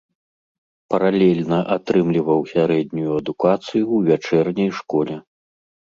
Паралельна атрымліваў сярэднюю адукацыю ў вячэрняй школе.